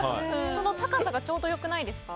この高さがちょうどよくないですか。